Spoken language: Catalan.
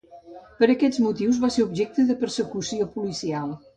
Per aquests motius va ser objecte de persecució policial.